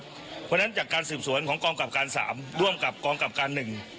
เพราะฉะนั้นจากการสืบสวนของกองกับการ๓ร่วมกับกองกับการ๑